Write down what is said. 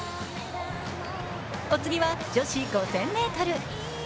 お次は女子５０００ｍ。